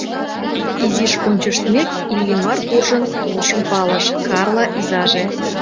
Изиш ончыштмек, Иллимар куржын толшым палыш: Карла изаже.